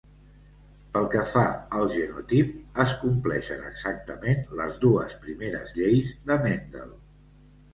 Pel que fa al genotip, es compleixen exactament les dues primeres lleis de Mendel.